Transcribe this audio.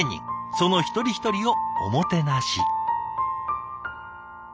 その一人一人をおもてなし。